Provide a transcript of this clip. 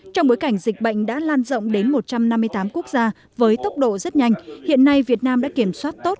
trong bối cảnh dịch bệnh đã lan rộng đến một trăm năm mươi tám quốc gia với tốc độ rất nhanh hiện nay việt nam đã kiểm soát tốt